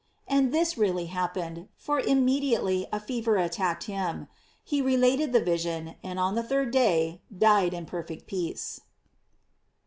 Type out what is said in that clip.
'* And this really happened, for im mediately a fever attacked him. He related the vision, and on the third day died in perfect peace.